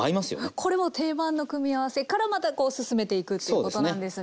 これも定番の組み合わせからまたこう進めていくっていうことなんですね。